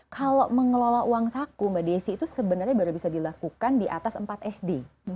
kalau mengelola uang saku mbak desi itu sebenarnya baru bisa dilakukan di atas empat sd